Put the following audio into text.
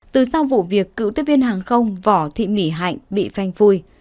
từ sau vụ việc cựu tiếp viên hàng không vỏ thị mỉ hạnh bị phanh phui